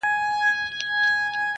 په علاج یې سول د ښار طبیبان ستړي٫